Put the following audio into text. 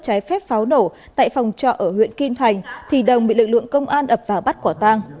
trái phép pháo nổ tại phòng trọ ở huyện kim thành thì đồng bị lực lượng công an ập vào bắt quả tang